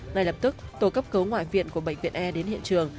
ngay lập tức tổ cấp cứu ngoại viện của bệnh viện e đến hiện trường